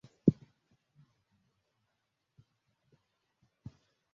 Pia kuna vyakula kama Kishumba na Kibulu pia